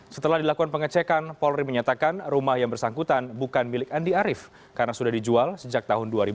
setelah dilakukan pengecekan polri menyatakan rumah yang bersangkutan bukan milik andi arief karena sudah dijual sejak tahun dua ribu